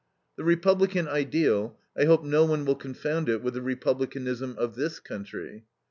The Republican ideal, I hope no one will confound it with the Republicanism of this country.